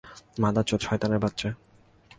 মাদারচোদ শয়তানের বাচ্চা।